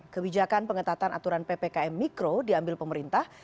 kebijakan pengetatan aturan ppkm mikro diambil pemerintah